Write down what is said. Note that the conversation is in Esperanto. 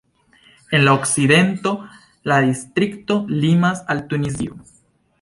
En la okcidento la distrikto limas al Tunizio.